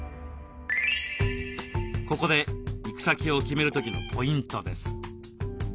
ここで行き先を決める時のポイントです。